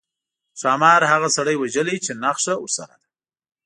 ښامار هغه سړي وژلی چې نخښه ورسره ده.